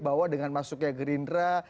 bahwa dengan masuknya gerindra